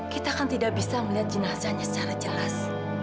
kita kan tidak bisa melihat jenazahnya secara jelas